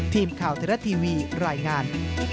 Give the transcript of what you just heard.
ทีมข่าวเทลาทีวีรายงาน